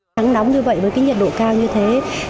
nắng nóng như vậy với cái nhiệt độ cao như thế